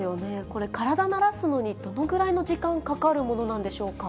これ、体慣らすのに、どのぐらいの時間かかるものなんでしょうか。